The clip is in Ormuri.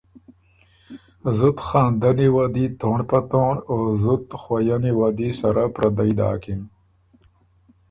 زُت خاندنی وه دی تونړ په تونړ، او زُت خؤئنی وه دی سره پردئ داکِن،